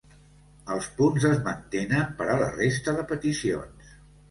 Els punts es mantenen per a la resta de peticions.